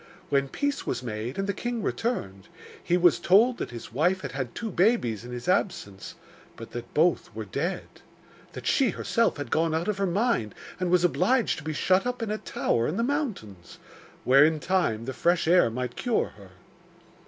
When peace was made, and the king returned, he was told that his wife had had two babies in his absence, but that both were dead; that she herself had gone out of her mind and was obliged to be shut up in a tower in the mountains, where, in time, the fresh air might cure her.